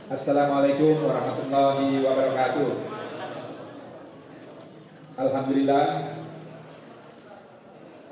assalamu'alaikum warahmatullahi wabarakatuh